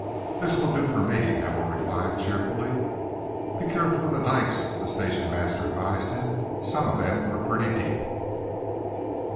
"This will do for me," Hamel replied cheerfully. "Be careful of the dikes," the station master advised him. "Some of them are pretty deep."